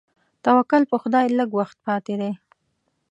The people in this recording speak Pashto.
توکل په خدای لږ وخت پاتې دی.